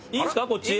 こっち。